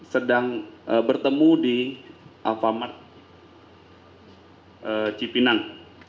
sedang bertemu di alfamart cipinang